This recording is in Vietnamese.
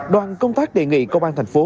đoàn công tác đề nghị công an thành phố